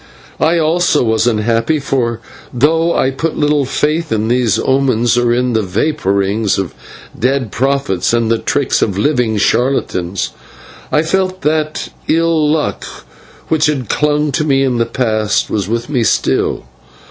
I, also, was unhappy, for though I put little faith in these omens, or in the vapourings of dead prophets and the tricks of living charlatans, I felt that the ill luck which had clung to me in the past was with me still.